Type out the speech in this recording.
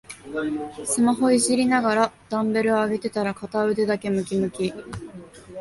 スマホいじりながらダンベル上げてたら片腕だけムキムキ